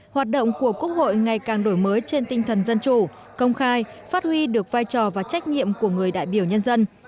hoạt động của quốc hội ngày càng đổi mới trên tinh thần dân chủ công khai phát huy được vai trò và trách nhiệm của người đại biểu nhân dân